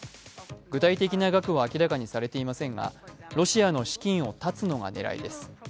具体的な額は明らかにされていませんが、ロシアの資金を断つのが狙いです。